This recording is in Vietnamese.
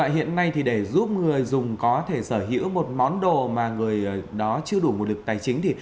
hiện nay để giúp người dùng có thể sở hữu một món đồ mà người đó chưa đủ nguồn lực tài chính